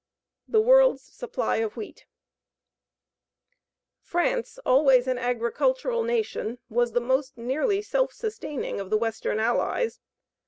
THE WORLD'S SUPPLY OF WHEAT France, always an agricultural nation, was the most nearly self sustaining of the western Allies.